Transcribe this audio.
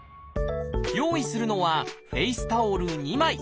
用意するのはフェイスタオル２枚。